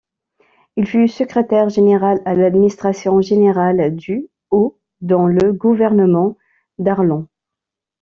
Il fut secrétaire général à l'administration générale du au dans le gouvernement Darlan.